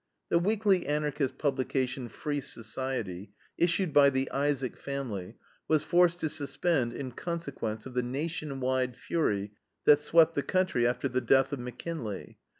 The weekly Anarchist publication, FREE SOCIETY, issued by the Isaak family, was forced to suspend in consequence of the nation wide fury that swept the country after the death of McKinley.